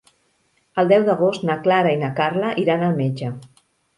El deu d'agost na Clara i na Carla iran al metge.